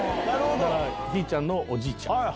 だからひちゃんのおじいちゃん。